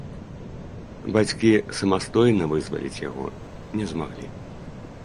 Бацькі самастойна вызваліць яго не змаглі.